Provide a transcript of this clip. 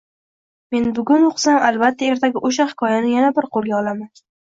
Men bugun o‘qisam, albatta, ertaga o‘sha hikoyani yana bir qo‘lga olaman